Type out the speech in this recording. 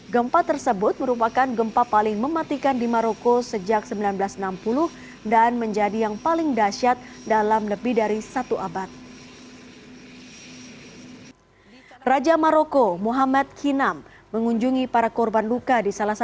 gempa tersebut merupakan gempa paling mematikan di maroko sejak seribu sembilan ratus enam puluh dan menjadi yang paling dahsyat dalam lebih dari satu abad kinam